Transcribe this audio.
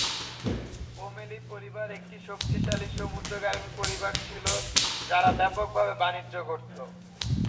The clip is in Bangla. ও'ম্যালি পরিবার একটি শক্তিশালী সমুদ্রগামী পরিবার ছিল, যারা ব্যাপকভাবে বাণিজ্য করত।